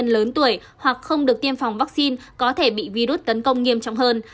bệnh nhân lớn tuổi hoặc không được tiêm phòng vaccine có thể bị virus tấn công nghiêm trọng hơn